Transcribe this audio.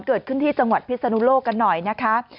เกิดขึ้นที่จังหวัดพิศนุโลกกันหน่อยนะคะ